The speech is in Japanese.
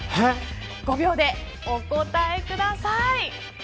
５秒でお答えください。